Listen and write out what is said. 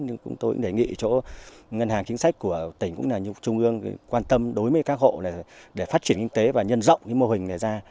nhưng tôi cũng đề nghị chỗ ngân hàng chính sách của tỉnh cũng là trung ương quan tâm đối với các hộ để phát triển kinh tế và nhân rộng cái mô hình này ra